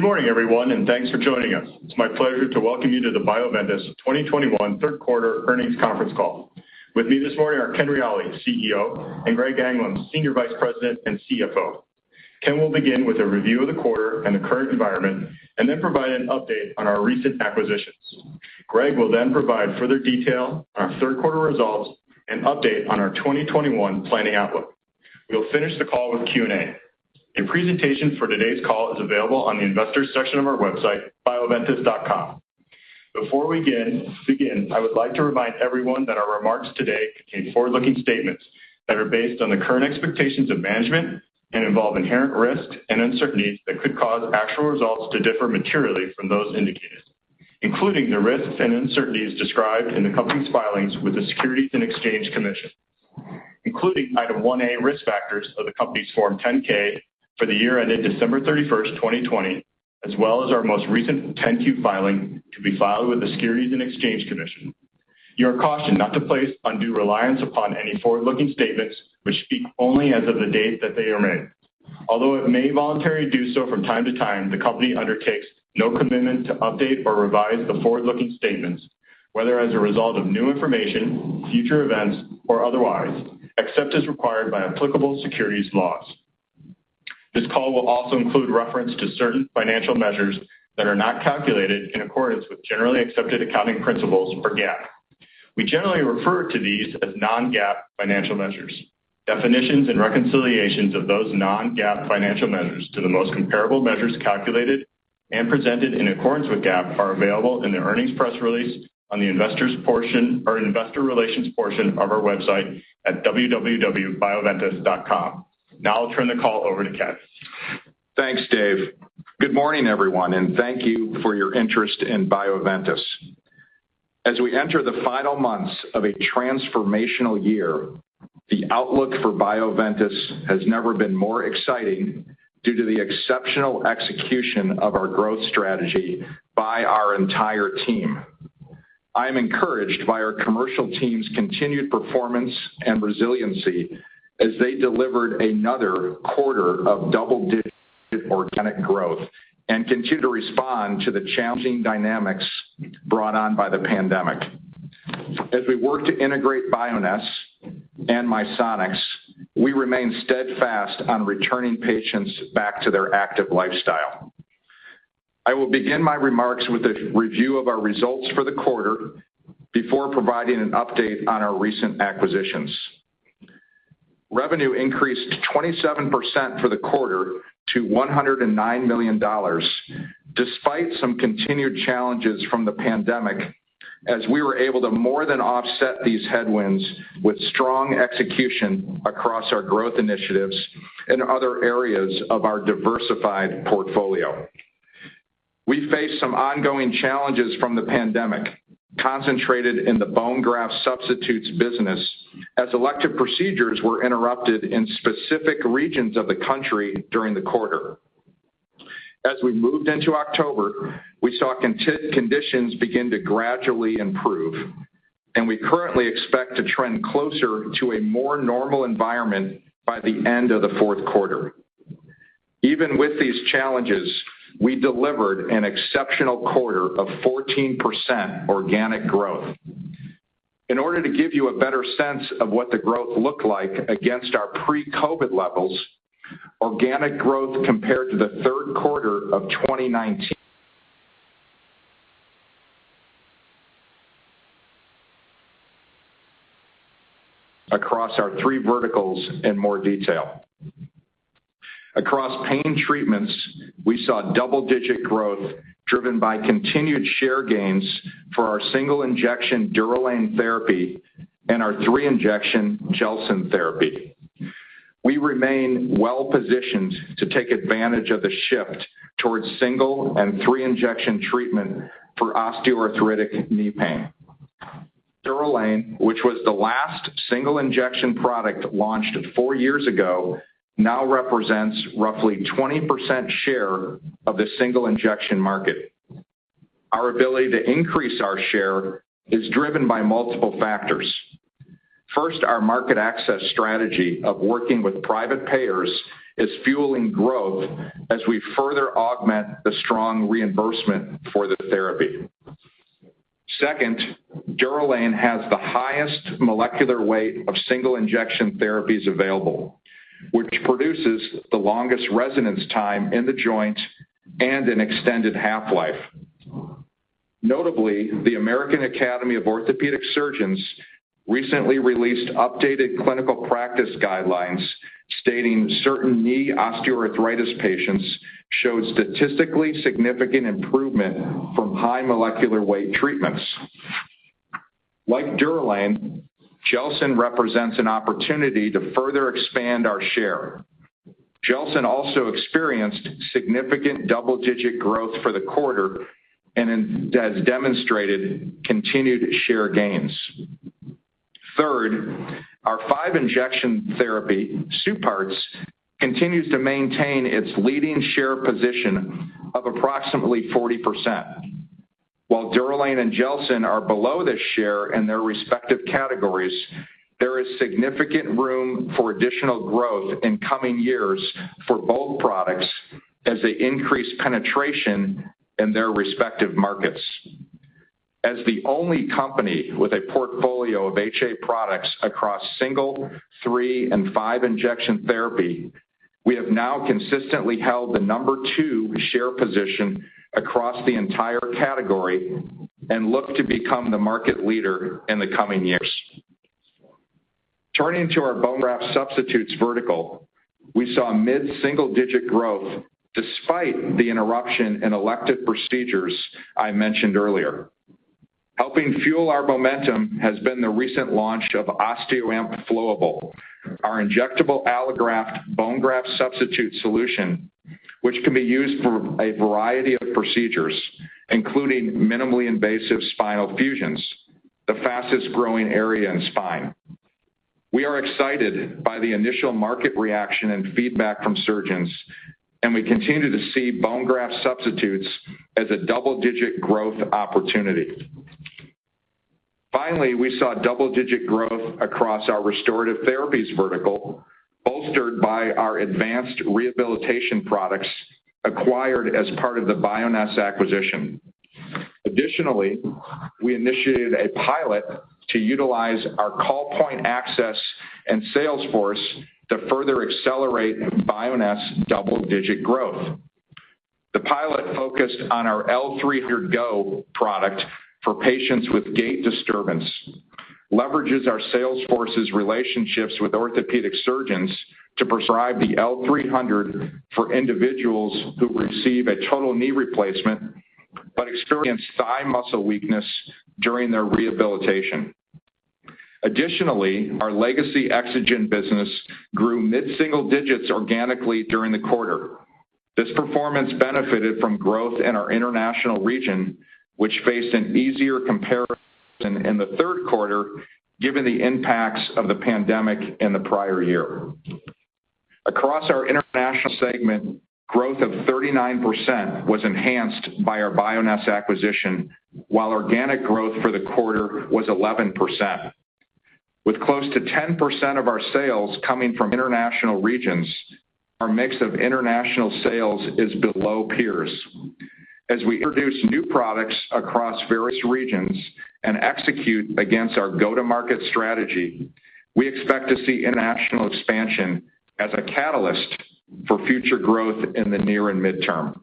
Good morning, everyone, and thanks for joining us. It's my pleasure to welcome you to the Bioventus 2021 Q3 earnings conference call. With me this morning are Ken Reali, CEO, and Greg Anglum, SVP and CFO. Ken will begin with a review of the quarter and the current environment, and then provide an update on our recent acquisitions. Greg will then provide further detail on our third quarter results and update on our 2021 planning outlook. We'll finish the call with Q&A. A presentation for today's call is available on the Investors section of our website, bioventus.com. Before we begin, I would like to remind everyone that our remarks today contain forward-looking statements that are based on the current expectations of management and involve inherent risks and uncertainties that could cause actual results to differ materially from those indicated, including the risks and uncertainties described in the company's filings with the Securities and Exchange Commission, including Item 1A, Risk Factors of the company's Form 10-K for the year ended December 31st 2020, as well as our most recent 10-Q filing to be filed with the Securities and Exchange Commission. You are cautioned not to place undue reliance upon any forward-looking statements which speak only as of the date that they are made. Although it may voluntarily do so from time to time, the company undertakes no commitment to update or revise the forward-looking statements, whether as a result of new information, future events, or otherwise, except as required by applicable securities laws. This call will also include reference to certain financial measures that are not calculated in accordance with generally accepted accounting principles or GAAP. We generally refer to these as non-GAAP financial measures. Definitions and reconciliations of those non-GAAP financial measures to the most comparable measures calculated and presented in accordance with GAAP are available in the earnings press release on the investors portion or investor relations portion of our website at www.bioventus.com. Now I'll turn the call over to Ken. Thanks, Dave. Good morning, everyone, and thank you for your interest in Bioventus. As we enter the final months of a transformational year, the outlook for Bioventus has never been more exciting due to the exceptional execution of our growth strategy by our entire team. I'm encouraged by our commercial team's continued performance and resiliency as they delivered another quarter of double-digit organic growth and continue to respond to the challenging dynamics brought on by the pandemic. As we work to integrate Bioness and Misonix, we remain steadfast on returning patients back to their active lifestyle. I will begin my remarks with a review of our results for the quarter before providing an update on our recent acquisitions. Revenue increased 27% for the quarter to $109 million, despite some continued challenges from the pandemic, as we were able to more than offset these headwinds with strong execution across our growth initiatives in other areas of our diversified portfolio. We face some ongoing challenges from the pandemic concentrated in the bone graft substitutes business as elective procedures were interrupted in specific regions of the country during the quarter. As we moved into October, we saw conditions begin to gradually improve, and we currently expect to trend closer to a more normal environment by the end of the Q4. Even with these challenges, we delivered an exceptional quarter of 14% organic growth. In order to give you a better sense of what the growth looked like against our pre-COVID levels, organic growth compared to the Q3 of 2019. Across our three verticals in more detail. Across Pain Treatments, we saw double-digit growth driven by continued share gains for our single injection DUROLANE therapy and our three-injection GELSYN-3 therapy. We remain well positioned to take advantage of the shift towards single and three-injection treatment for osteoarthritic knee pain. DUROLANE, which was the last single injection product launched four years ago, now represents roughly 20% share of the single injection market. Our ability to increase our share is driven by multiple factors. First, our market access strategy of working with private payers is fueling growth as we further augment the strong reimbursement for the therapy. Second, DUROLANE has the highest molecular weight of single injection therapies available, which produces the longest residence time in the joint and an extended half-life. Notably, the American Academy of Orthopaedic Surgeons recently released updated clinical practice guidelines stating certain knee osteoarthritis patients showed statistically significant improvement from high molecular weight treatments. Like DUROLANE, GELSYN-3 represents an opportunity to further expand our share. GELSYN-3 also experienced significant double-digit growth for the quarter and has demonstrated continued share gains. Third, our five-injection therapy, SUPARTZ FX, continues to maintain its leading share position of approximately 40%. While DUROLANE and GELSYN-3 are below the share in their respective categories, there is significant room for additional growth in coming years for both products as they increase penetration in their respective markets. As the only company with a portfolio of HA products across single, three, and five injection therapy, we have now consistently held the number two share position across the entire category and look to become the market leader in the coming years. Turning to our bone graft substitutes vertical, we saw mid-single-digit growth despite the interruption in elective procedures I mentioned earlier. Helping fuel our momentum has been the recent launch of OSTEOAMP SELECT Flowable, our injectable allograft bone graft substitute solution, which can be used for a variety of procedures, including minimally invasive spinal fusions, the fastest-growing area in spine. We are excited by the initial market reaction and feedback from surgeons, and we continue to see bone graft substitutes as a double-digit growth opportunity. Finally, we saw double-digit growth across our Restorative Therapies vertical, bolstered by our advanced rehabilitation products acquired as part of the Bioness acquisition. Additionally, we initiated a pilot to utilize our call point access and sales force to further accelerate Bioness' double-digit growth. The pilot focused on our L300 Go product for patients with gait disturbance, leverages our sales force's relationships with orthopedic surgeons to prescribe the L300 for individuals who receive a total knee replacement but experience thigh muscle weakness during their rehabilitation. Additionally, our legacy EXOGEN business grew mid-single digits organically during the quarter. This performance benefited from growth in our international region, which faced an easier comparison in the Q3, given the impacts of the pandemic in the prior year. Across our international segment, growth of 39% was enhanced by our Bioness acquisition, while organic growth for the quarter was 11%. With close to 10% of our sales coming from international regions, our mix of international sales is below peers. As we introduce new products across various regions and execute against our go-to-market strategy, we expect to see international expansion as a catalyst for future growth in the near and midterm.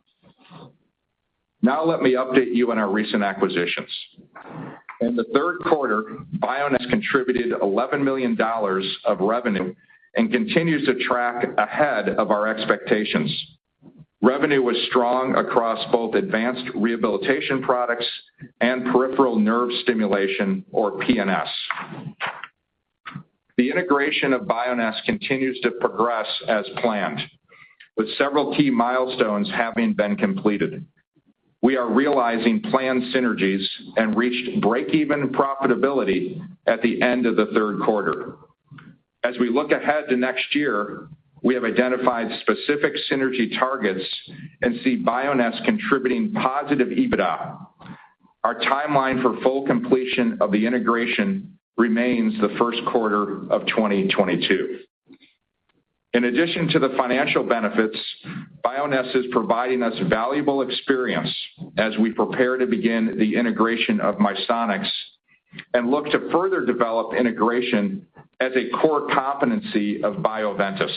Now let me update you on our recent acquisitions. In the Q3, Bioness contributed $11 million of revenue and continues to track ahead of our expectations. Revenue was strong across both advanced rehabilitation products and peripheral nerve stimulation, or PNS. The integration of Bioness continues to progress as planned, with several key milestones having been completed. We are realizing planned synergies and reached breakeven profitability at the end of the third quarter. As we look ahead to next year, we have identified specific synergy targets and see Bioness contributing positive EBITDA. Our timeline for full completion of the integration remains the first quarter of 2022. In addition to the financial benefits, Bioness is providing us valuable experience as we prepare to begin the integration of Misonix and look to further develop integration as a core competency of Bioventus.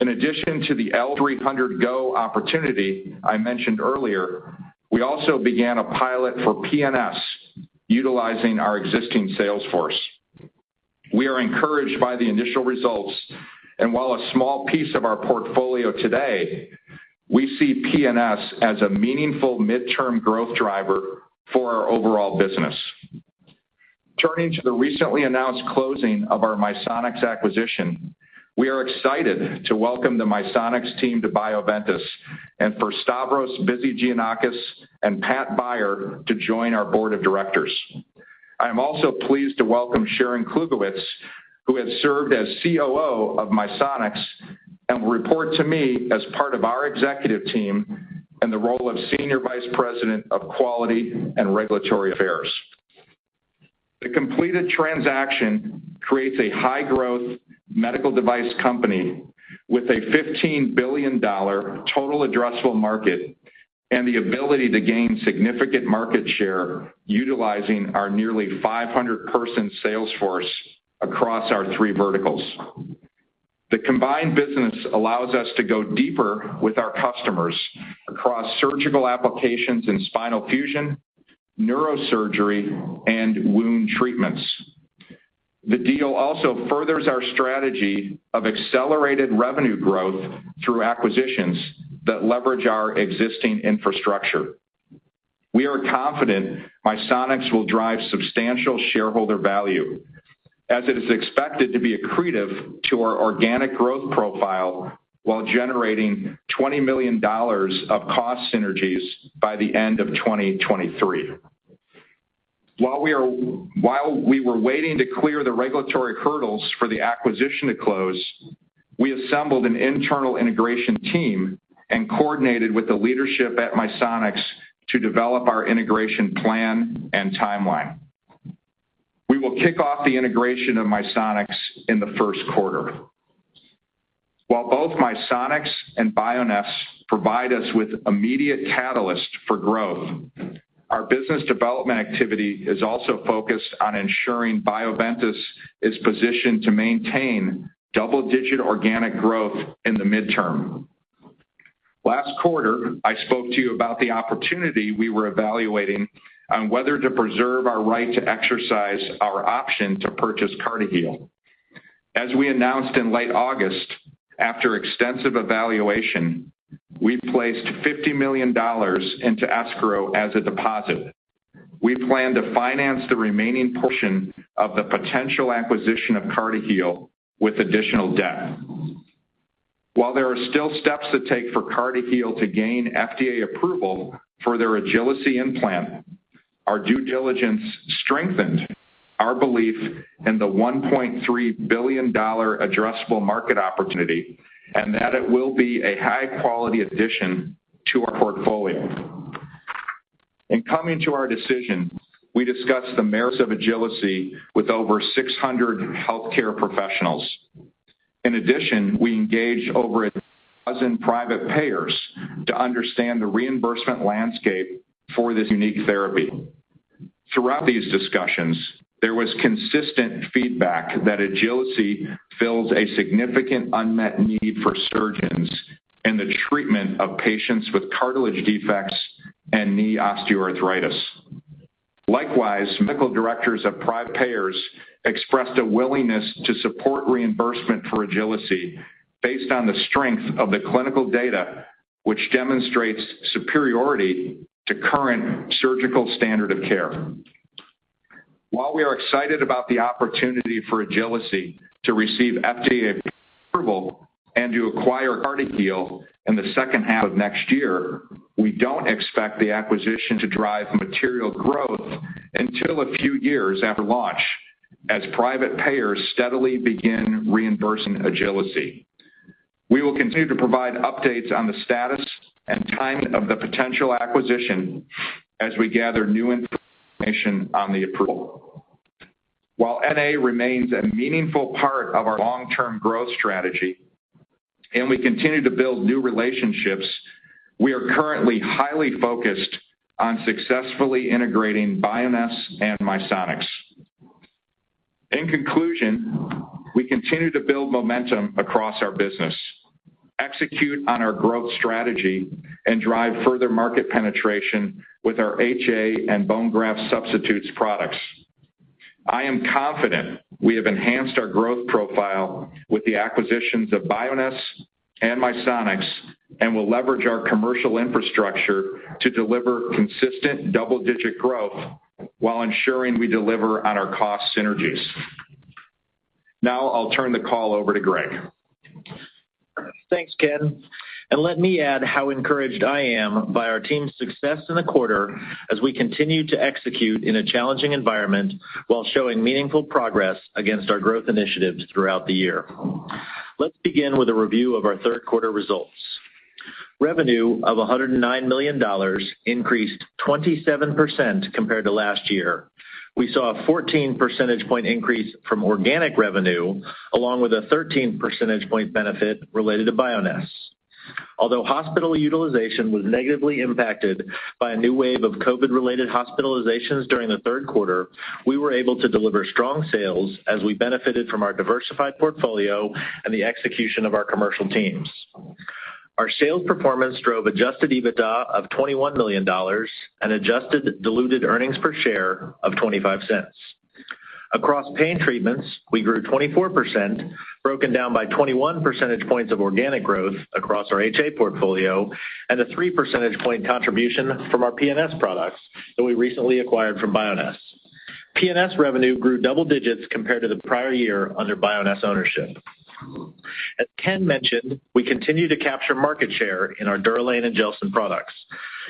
In addition to the L300 Go opportunity I mentioned earlier, we also began a pilot for PNS utilizing our existing sales force. We are encouraged by the initial results, and while a small piece of our portfolio today, we see PNS as a meaningful midterm growth driver for our overall business. Turning to the recently announced closing of our Misonix acquisition, we are excited to welcome the Misonix team to Bioventus and for Stavros Vizirgianakis and Pat Beyer to join our board of directors. I am also pleased to welcome Sharon Klugewicz, who has served as COO of Misonix and will report to me as part of our executive team in the role of Senior Vice President of Quality and Regulatory Affairs. The completed transaction creates a high-growth medical device company with a $15 billion total addressable market and the ability to gain significant market share utilizing our nearly 500-person sales force across our three verticals. The combined business allows us to go deeper with our customers across surgical applications in spinal fusion, neurosurgery, and wound treatments. The deal also furthers our strategy of accelerated revenue growth through acquisitions that leverage our existing infrastructure. We are confident Misonix will drive substantial shareholder value as it is expected to be accretive to our organic growth profile while generating $20 million of cost synergies by the end of 2023. While we were waiting to clear the regulatory hurdles for the acquisition to close, we assembled an internal integration team and coordinated with the leadership at Misonix to develop our integration plan and timeline. We will kick off the integration of Misonix in the Q1. While both Misonix and Bioness provide us with immediate catalyst for growth, our business development activity is also focused on ensuring Bioventus is positioned to maintain double-digit organic growth in the midterm. Last quarter, I spoke to you about the opportunity we were evaluating on whether to preserve our right to exercise our option to purchase CartiHeal. As we announced in late August, after extensive evaluation, we placed $50 million into escrow as a deposit. We plan to finance the remaining portion of the potential acquisition of CartiHeal with additional debt. While there are still steps to take for CartiHeal to gain FDA approval for their Agili-C implant, our due diligence strengthened our belief in the $1.3 billion addressable market opportunity, and that it will be a high quality addition to our portfolio. In coming to our decision, we discussed the merits of Agili-C with over 600 healthcare professionals. In addition, we engaged over a dozen private payers to understand the reimbursement landscape for this unique therapy. Throughout these discussions, there was consistent feedback that Agili-C fills a significant unmet need for surgeons in the treatment of patients with cartilage defects and knee osteoarthritis. Likewise, medical directors of private payers expressed a willingness to support reimbursement for Agili-C based on the strength of the clinical data, which demonstrates superiority to current surgical standard of care. While we are excited about the opportunity for Agili-C to receive FDA approval and to acquire CartiHeal in the second half of next year, we don't expect the acquisition to drive material growth until a few years after launch as private payers steadily begin reimbursing Agili-C. We will continue to provide updates on the status and timing of the potential acquisition as we gather new information on the approval. While M&A remains a meaningful part of our long-term growth strategy and we continue to build new relationships, we are currently highly focused on successfully integrating Bioness and Misonix. In conclusion, we continue to build momentum across our business, execute on our growth strategy, and drive further market penetration with our HA and bone graft substitutes products. I am confident we have enhanced our growth profile with the acquisitions of Bioness and Misonix, and will leverage our commercial infrastructure to deliver consistent double-digit growth while ensuring we deliver on our cost synergies. Now I'll turn the call over to Greg. Thanks, Ken, and let me add how encouraged I am by our team's success in the quarter as we continue to execute in a challenging environment while showing meaningful progress against our growth initiatives throughout the year. Let's begin with a review of our third quarter results. Revenue of $109 million increased 27% compared to last year. We saw a 14 percentage point increase from organic revenue, along with a 13 percentage point benefit related to Bioness. Although hospital utilization was negatively impacted by a new wave of COVID-related hospitalizations during the third quarter, we were able to deliver strong sales as we benefited from our diversified portfolio and the execution of our commercial teams. Our sales performance drove adjusted EBITDA of $21 million and adjusted diluted earnings per share of $0.25. Across pain treatments, we grew 24%, broken down by 21 percentage points of organic growth across our HA portfolio and a three percentage point contribution from our PNS products that we recently acquired from Bioness. PNS revenue grew double digits compared to the prior year under Bioness ownership. As Ken mentioned, we continue to capture market share in our DUROLANE and GELSYN-3 products.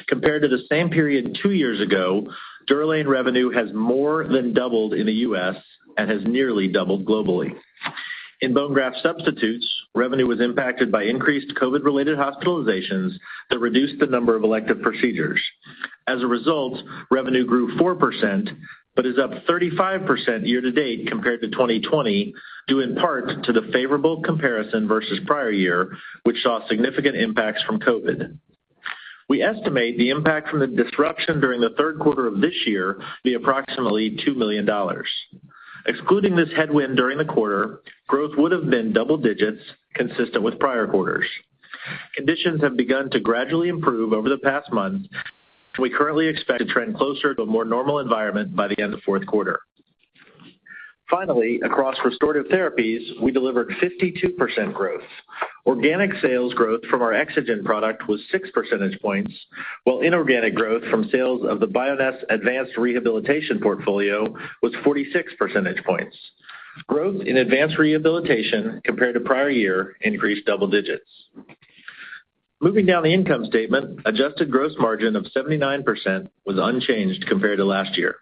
Compared to the same period two years ago, DUROLANE revenue has more than doubled in the U.S. and has nearly doubled globally. In bone graft substitutes, revenue was impacted by increased COVID-related hospitalizations that reduced the number of elective procedures. As a result, revenue grew four percent but is up 35% year to date compared to 2020, due in part to the favorable comparison versus prior year, which saw significant impacts from COVID. We estimate the impact from the disruption during the third quarter of this year be approximately $2 million. Excluding this headwind during the quarter, growth would have been double digits consistent with prior quarters. Conditions have begun to gradually improve over the past month. We currently expect to trend closer to a more normal environment by the end of Q4. Finally, across Restorative Therapies, we delivered 52% growth. Organic sales growth from our EXOGEN product was six percentage points, while inorganic growth from sales of the Bioness advanced rehabilitation portfolio was 46 percentage points. Growth in advanced rehabilitation compared to prior year increased double digits. Moving down the income statement, adjusted gross margin of 79% was unchanged compared to last year.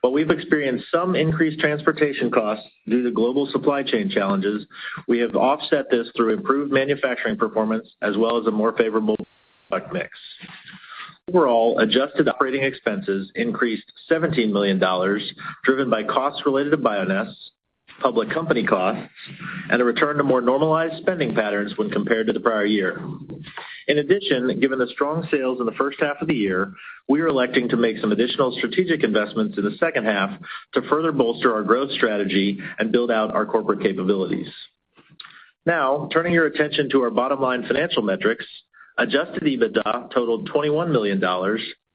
While we've experienced some increased transportation costs due to global supply chain challenges, we have offset this through improved manufacturing performance as well as a more favorable product mix. Overall, adjusted operating expenses increased $17 million, driven by costs related to Bioness, public company costs, and a return to more normalized spending patterns when compared to the prior year. In addition, given the strong sales in the first half of the year, we are electing to make some additional strategic investments in the second half to further bolster our growth strategy and build out our corporate capabilities. Now, turning your attention to our bottom-line financial metrics, adjusted EBITDA totaled $21 million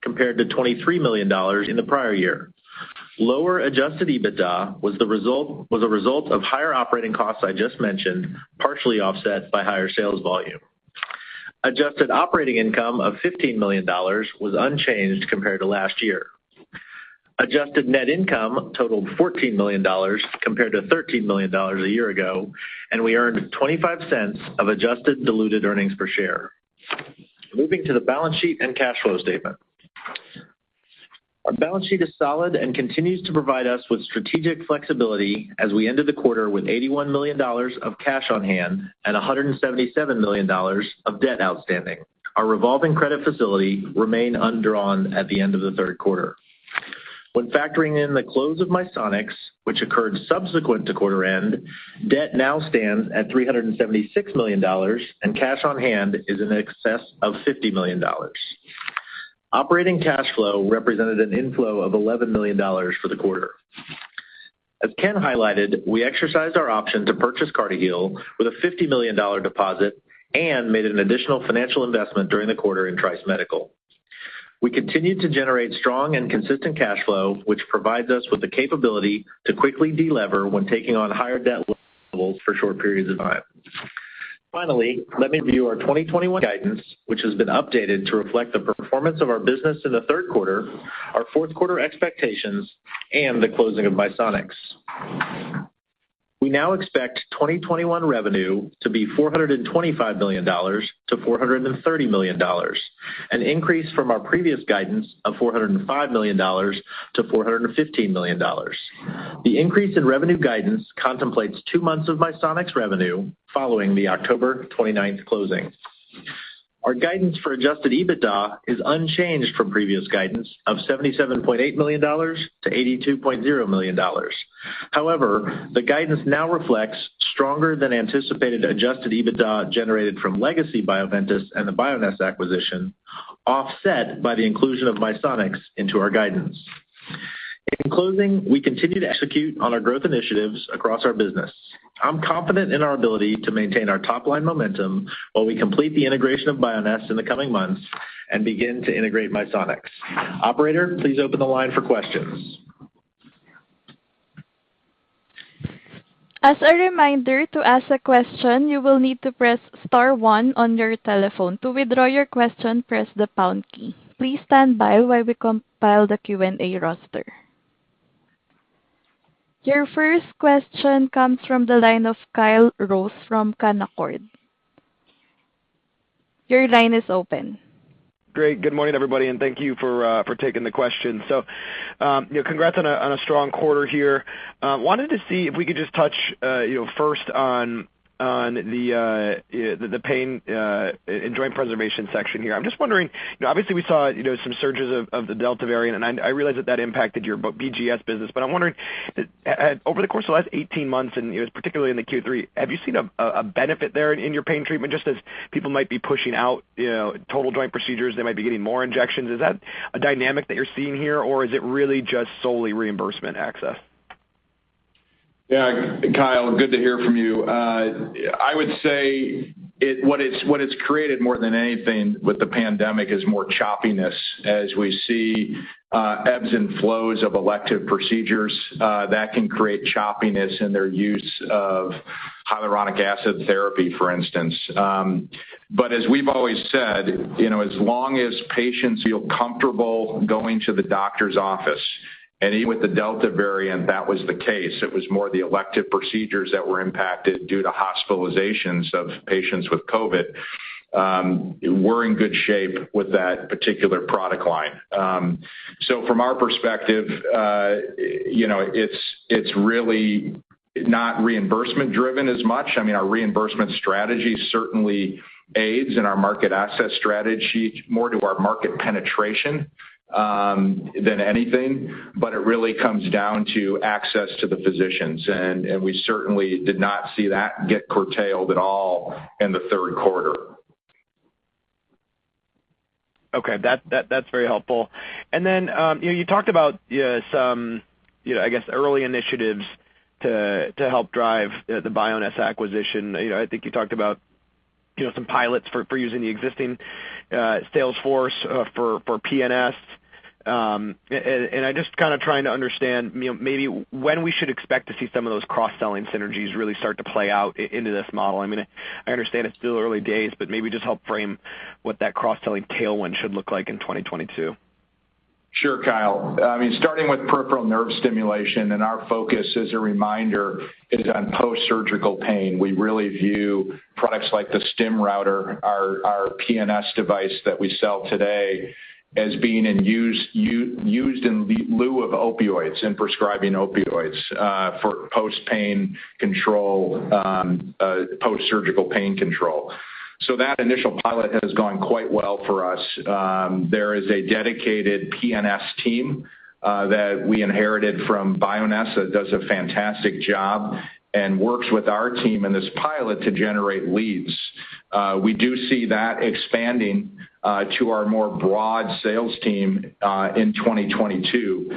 compared to $23 million in the prior year. Lower adjusted EBITDA was a result of higher operating costs I just mentioned, partially offset by higher sales volume. Adjusted operating income of $15 million was unchanged compared to last year. Adjusted net income totaled $14 million compared to $13 million a year ago, and we earned $0.25 of adjusted diluted earnings per share. Moving to the balance sheet and cash flow statement. Our balance sheet is solid and continues to provide us with strategic flexibility as we ended the quarter with $81 million of cash on hand and $177 million of debt outstanding. Our revolving credit facility remained undrawn at the end of the third quarter. When factoring in the close of Misonix, which occurred subsequent to quarter end, debt now stands at $376 million and cash on hand is in excess of $50 million. Operating cash flow represented an inflow of $11 million for the quarter. As Ken highlighted, we exercised our option to purchase CartiHeal with a $50 million deposit and made an additional financial investment during the quarter in Trice Medical. We continued to generate strong and consistent cash flow, which provides us with the capability to quickly de-lever when taking on higher debt levels for short periods of time. Finally, let me review our 2021 guidance, which has been updated to reflect the performance of our business in the third quarter, our fourth quarter expectations, and the closing of Misonix. We now expect 2021 revenue to be $425 million-$430 million, an increase from our previous guidance of $405 million-$415 million. The increase in revenue guidance contemplates two months of Misonix revenue following the October 29 closing. Our guidance for adjusted EBITDA is unchanged from previous guidance of $77.8 million-$82.0 million. However, the guidance now reflects stronger than anticipated adjusted EBITDA generated from legacy Bioventus and the Bioness acquisition, offset by the inclusion of Misonix into our guidance. In closing, we continue to execute on our growth initiatives across our business. I'm confident in our ability to maintain our top-line momentum while we complete the integration of Bioness in the coming months and begin to integrate Misonix. Operator, please open the line for questions. As a reminder, to ask a question, you will need to press star one on your telephone. To withdraw your question, press the pound key. Please stand by while we compile the Q&A roster. Your first question comes from the line of Kyle Rose from Canaccord. Your line is open. Great. Good morning, everybody, and thank you for taking the question. You know, congrats on a strong quarter here. Wanted to see if we could just touch, you know, first on the pain and joint preservation section here. I'm just wondering, you know, obviously we saw, you know, some surges of the Delta variant, and I realize that that impacted your BGS business. I'm wondering over the course of the last 18 months and, you know, particularly in the Q3, have you seen a benefit there in your pain treatment, just as people might be pushing out, you know, total joint procedures, they might be getting more injections? Is that a dynamic that you're seeing here, or is it really just solely reimbursement access? Yeah, Kyle, good to hear from you. I would say what it's created more than anything with the pandemic is more choppiness as we see ebbs and flows of elective procedures that can create choppiness in their use of hyaluronic acid therapy, for instance. As we've always said, you know, as long as patients feel comfortable going to the doctor's office, and even with the Delta variant that was the case, it was more the elective procedures that were impacted due to hospitalizations of patients with COVID, we're in good shape with that particular product line. From our perspective, you know, it's really not reimbursement driven as much. I mean, our reimbursement strategy certainly aids in our market access strategy more to our market penetration than anything. It really comes down to access to the physicians. We certainly did not see that get curtailed at all in the third quarter. Okay. That's very helpful. You know, you talked about, you know, some, you know, I guess, early initiatives to help drive the Bioness acquisition. You know, I think you talked about, you know, some pilots for using the existing sales force for PNS. I'm just kinda trying to understand, you know, maybe when we should expect to see some of those cross-selling synergies really start to play out into this model. I mean, I understand it's still early days, but maybe just help frame what that cross-selling tailwind should look like in 2022. Sure, Kyle. I mean, starting with peripheral nerve stimulation and our focus as a reminder is on post-surgical pain. We really view products like the StimRouter, our PNS device that we sell today, as being in use in lieu of opioids and prescribing opioids for post-surgical pain control. That initial pilot has gone quite well for us. There is a dedicated PNS team that we inherited from Bioness that does a fantastic job and works with our team in this pilot to generate leads. We do see that expanding to our more broad sales team in 2022.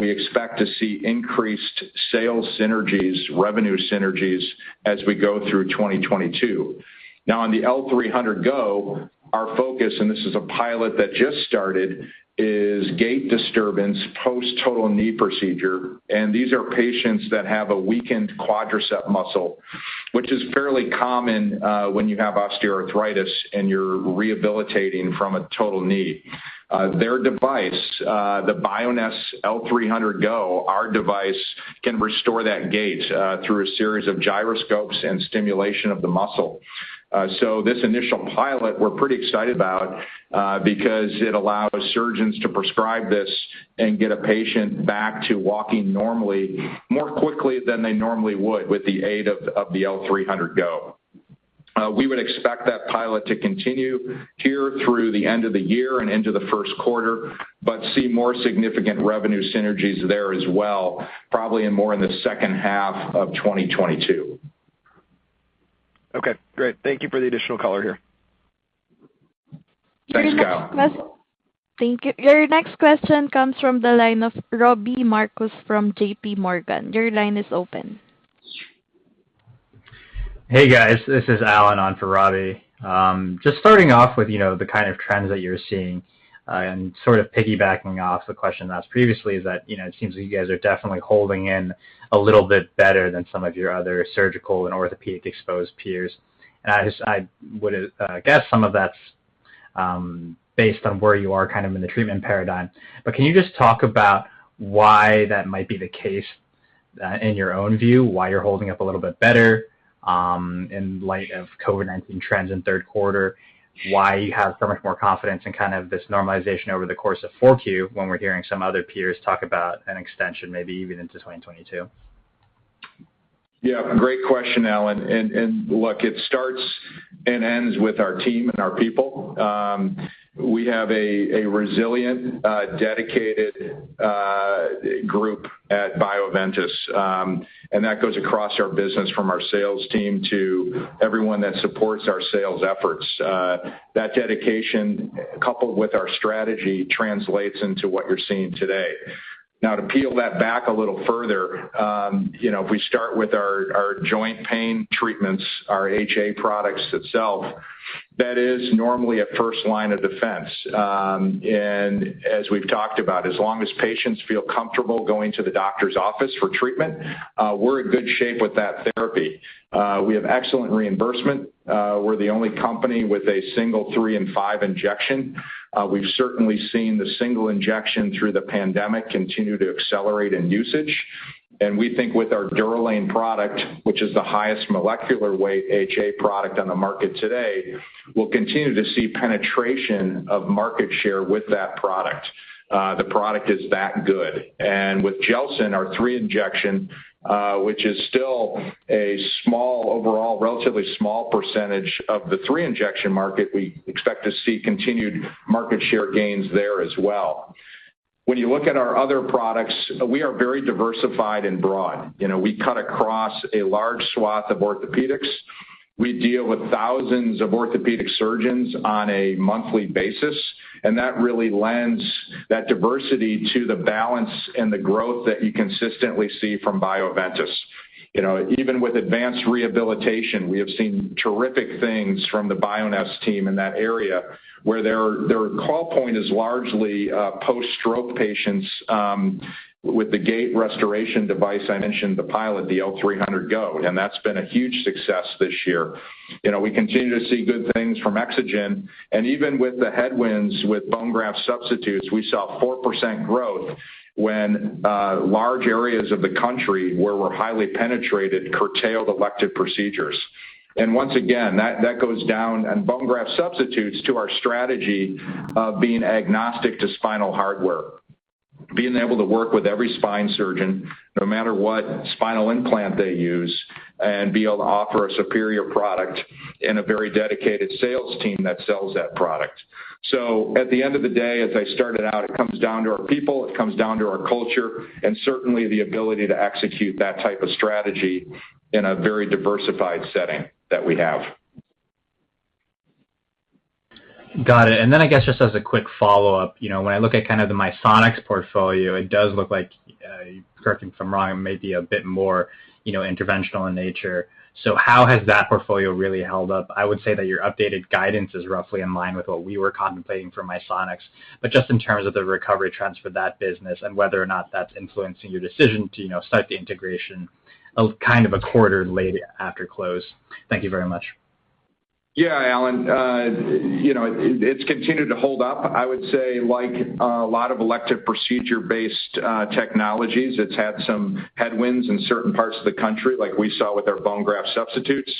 We expect to see increased sales synergies, revenue synergies as we go through 2022. Now, on the L300 Go, our focus, and this is a pilot that just started, is gait disturbance post total knee procedure. These are patients that have a weakened quadricep muscle, which is fairly common, when you have osteoarthritis and you're rehabilitating from a total knee. Their device, the Bioness L300 Go, our device, can restore that gait, through a series of gyroscopes and stimulation of the muscle. This initial pilot we're pretty excited about, because it allows surgeons to prescribe this and get a patient back to walking normally more quickly than they normally would with the aid of the L300 Go. We would expect that pilot to continue here through the end of the year and into the first quarter, but see more significant revenue synergies there as well, probably more in the second half of 2022. Okay, great. Thank you for the additional color here. Thanks, Kyle. Thank you. Your next question comes from the line of Robbie Marcus from JPMorgan. Your line is open. Hey, guys. This is Alan on for Robbie. Just starting off with, you know, the kind of trends that you're seeing and sort of piggybacking off the question asked previously is that, you know, it seems that you guys are definitely holding in a little bit better than some of your other surgical and orthopedic exposed peers. I would guess some of that's based on where you are kind of in the treatment paradigm. Can you just talk about why that might be the case, in your own view, why you're holding up a little bit better, in light of COVID-19 trends in third quarter, why you have so much more confidence in kind of this normalization over the course of 4Q when we're hearing some other peers talk about an extension maybe even into 2022? Yeah, great question, Alan. Look, it starts and ends with our team and our people. We have a resilient, dedicated group at Bioventus, and that goes across our business from our sales team to everyone that supports our sales efforts. That dedication coupled with our strategy translates into what you're seeing today. Now, to peel that back a little further, you know, if we start with our joint pain treatments, our HA products itself, that is normally a first line of defense. As we've talked about, as long as patients feel comfortable going to the doctor's office for treatment, we're in good shape with that therapy. We have excellent reimbursement. We're the only company with a single three and five injection. We've certainly seen the single injection through the pandemic continue to accelerate in usage. We think with our DUROLANE product, which is the highest molecular weight HA product on the market today, we'll continue to see penetration of market share with that product. The product is that good. With GELSYN-3, our three injection, which is still a relatively small percentage of the three injection market, we expect to see continued market share gains there as well. When you look at our other products, we are very diversified and broad. You know, we cut across a large swath of orthopedics. We deal with thousands of orthopedic surgeons on a monthly basis, and that really lends that diversity to the balance and the growth that you consistently see from Bioventus. You know, even with advanced rehabilitation, we have seen terrific things from the Bioness team in that area where their call point is largely post-stroke patients with the gait restoration device I mentioned the pilot, the L300 Go, and that's been a huge success this year. You know, we continue to see good things from EXOGEN. Even with the headwinds with bone graft substitutes, we saw four percent growth when large areas of the country where we're highly penetrated curtailed elective procedures. Once again, that goes down in bone graft substitutes to our strategy of being agnostic to spinal hardware. Being able to work with every spine surgeon no matter what spinal implant they use, and be able to offer a superior product and a very dedicated sales team that sells that product. At the end of the day, as I started out, it comes down to our people, it comes down to our culture, and certainly the ability to execute that type of strategy in a very diversified setting that we have. Got it. I guess just as a quick follow-up, you know, when I look at kind of the Misonix portfolio, it does look like, correct me if I'm wrong, maybe a bit more, you know, interventional in nature. How has that portfolio really held up? I would say that your updated guidance is roughly in line with what we were contemplating for Misonix. Just in terms of the recovery trends for that business and whether or not that's influencing your decision to, you know, start the integration of kind of a quarter late after close. Thank you very much. Yeah, Alan, you know, it's continued to hold up. I would say like a lot of elective procedure-based technologies, it's had some headwinds in certain parts of the country, like we saw with our bone graft substitutes.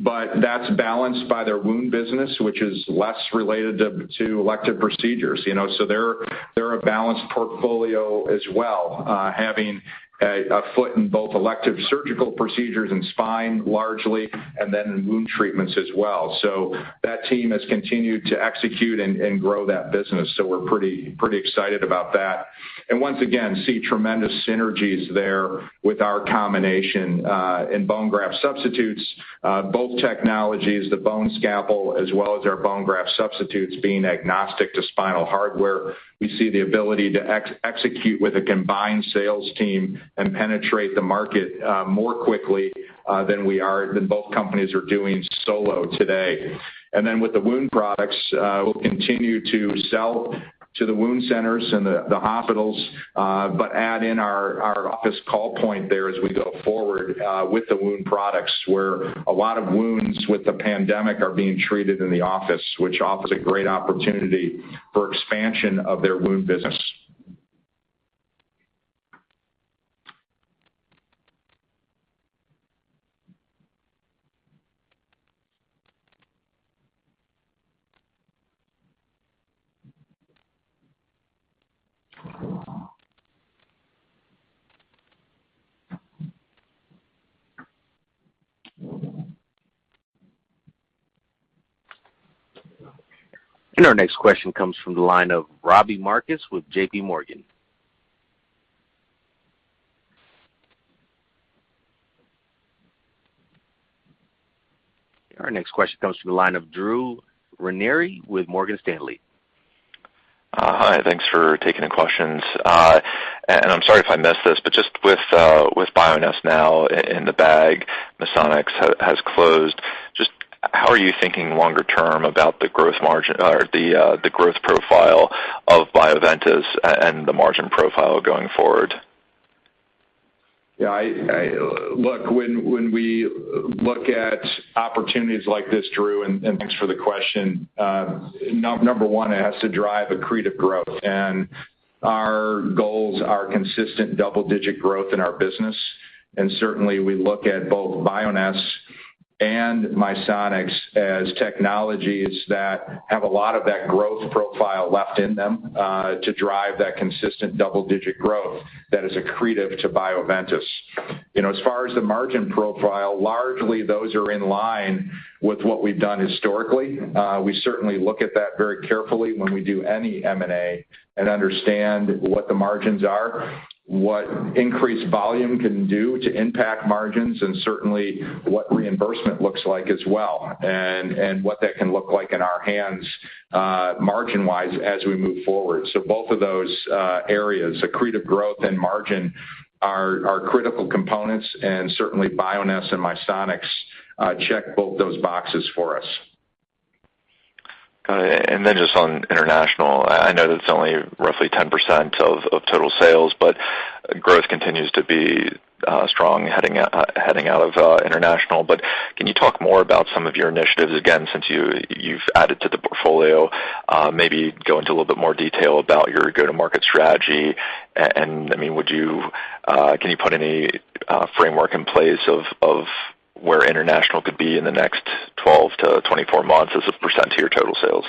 But that's balanced by their wound business, which is less related to elective procedures. You know, so they're a balanced portfolio as well, having a foot in both elective surgical procedures and spine largely, and then in wound treatments as well. So that team has continued to execute and grow that business. So we're pretty excited about that. And once again, we see tremendous synergies there with our combination in bone graft substitutes, both technologies, the BoneScalpel, as well as our bone graft substitutes, being agnostic to spinal hardware. We see the ability to execute with a combined sales team and penetrate the market more quickly than both companies are doing solo today. With the wound products, we'll continue to sell to the wound centers and the hospitals but add in our office call point there as we go forward with the wound products, where a lot of wounds with the pandemic are being treated in the office, which offers a great opportunity for expansion of their wound business. Our next question comes from the line of Robbie Marcus with J.P. Morgan. Our next question comes from the line of Drew Ranieri with Morgan Stanley. Hi, thanks for taking the questions. I'm sorry if I missed this, but just with Bioness now in the bag, Misonix has closed, just how are you thinking longer term about the growth margin or the growth profile of Bioventus and the margin profile going forward? Look, when we look at opportunities like this, Drew, and thanks for the question. Number one, it has to drive accretive growth, and our goals are consistent double-digit growth in our business. Certainly, we look at both Bioness and Misonix as technologies that have a lot of that growth profile left in them to drive that consistent double-digit growth that is accretive to Bioventus. You know, as far as the margin profile, largely those are in line with what we've done historically. We certainly look at that very carefully when we do any M&A and understand what the margins are, what increased volume can do to impact margins, and certainly what reimbursement looks like as well, and what that can look like in our hands, margin-wise, as we move forward. Both of those areas, accretive growth and margin are critical components, and certainly Bioness and Misonix check both those boxes for us. Got it. Then just on international, I know that it's only roughly 10% of total sales, but growth continues to be strong heading out of international. Can you talk more about some of your initiatives, again, since you've added to the portfolio, maybe go into a little bit more detail about your go to market strategy? And I mean, can you put any framework in place of where international could be in the next 12-24 months as a % of your total sales?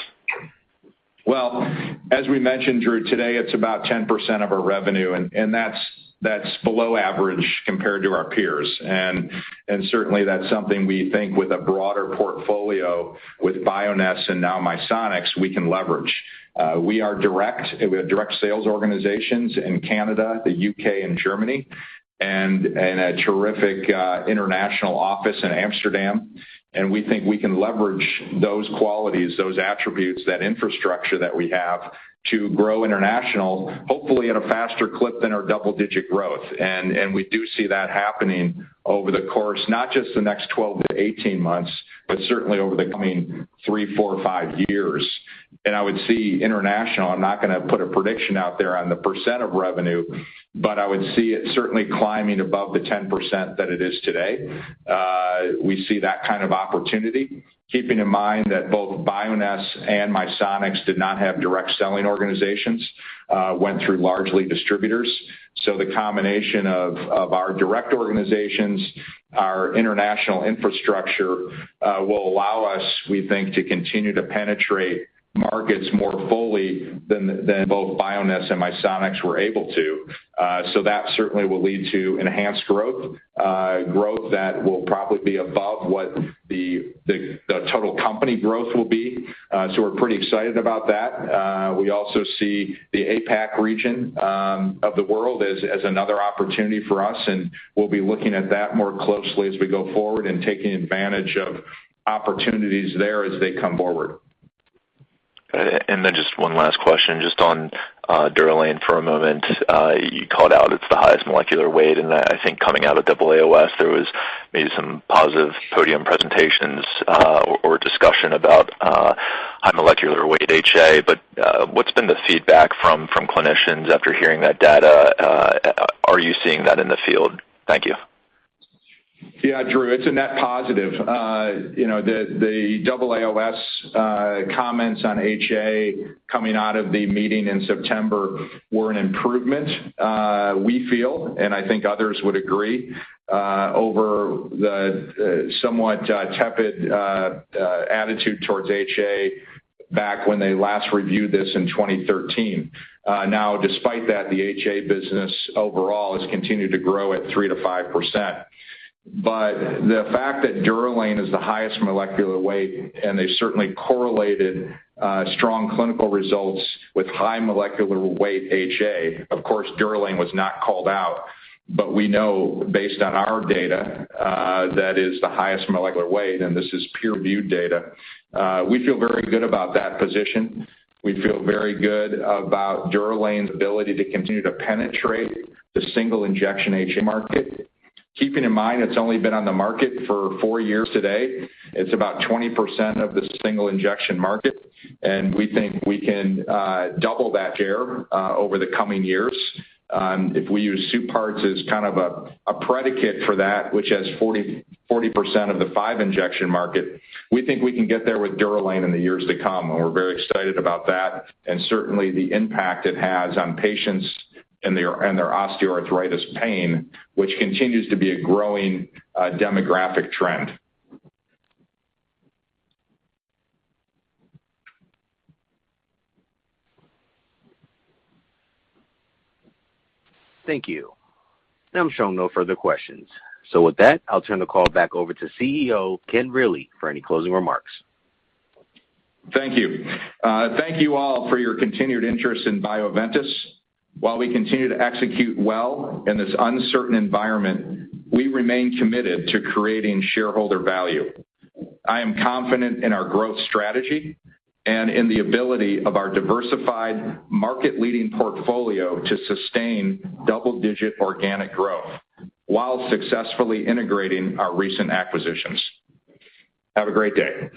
Well, as we mentioned, Drew, today it's about 10% of our revenue, and that's below average compared to our peers. Certainly, that's something we think with a broader portfolio with Bioness and now Misonix, we can leverage. We are direct. We have direct sales organizations in Canada, the U.K., and Germany, and a terrific international office in Amsterdam. We think we can leverage those qualities, those attributes, that infrastructure that we have to grow international, hopefully at a faster clip than our double-digit growth. We do see that happening over the course, not just the next twelve to eighteen months, but certainly over the coming three, four, five years. I would see international, I'm not gonna put a prediction out there on the percent of revenue, but I would see it certainly climbing above the 10% that it is today. We see that kind of opportunity, keeping in mind that both Bioness and Misonix did not have direct selling organizations, went through largely distributors. The combination of our direct organizations, our international infrastructure, will allow us, we think, to continue to penetrate markets more fully than both Bioness and Misonix were able to. That certainly will lead to enhanced growth that will probably be above what the total company growth will be. We're pretty excited about that. We also see the APAC region of the world as another opportunity for us, and we'll be looking at that more closely as we go forward and taking advantage of opportunities there as they come forward. Just one last question, just on DUROLANE for a moment. You called out it's the highest molecular weight, and I think coming out of AAOS, there was maybe some positive podium presentations or discussion about high molecular weight HA. But what's been the feedback from clinicians after hearing that data? Are you seeing that in the field? Thank you. Yeah, Drew, it's a net positive. You know, the AAOS comments on HA coming out of the meeting in September were an improvement, we feel, and I think others would agree, over the somewhat tepid attitude towards HA back when they last reviewed this in 2013. Now despite that, the HA business overall has continued to grow at 3%-5%. The fact that DUROLANE is the highest molecular weight, and they certainly correlated strong clinical results with high molecular weight HA. Of course, DUROLANE was not called out, but we know based on our data that is the highest molecular weight, and this is peer-reviewed data. We feel very good about that position. We feel very good about DUROLANE's ability to continue to penetrate the single injection HA market. Keeping in mind it's only been on the market for four years today. It's about 20% of the single injection market, and we think we can double that share over the coming years. If we use SUPARTZ as kind of a predicate for that, which has 40% of the five injection market, we think we can get there with DUROLANE in the years to come. We're very excited about that and certainly the impact it has on patients and their osteoarthritis pain, which continues to be a growing demographic trend. Thank you. I'm showing no further questions. With that, I'll turn the call back over to CEO Ken Reali for any closing remarks. Thank you. Thank you all for your continued interest in Bioventus. While we continue to execute well in this uncertain environment, we remain committed to creating shareholder value. I am confident in our growth strategy and in the ability of our diversified market-leading portfolio to sustain double-digit organic growth while successfully integrating our recent acquisitions. Have a great day.